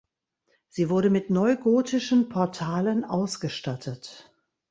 Sie wurde mit neugotischen Portalen ausgestattet.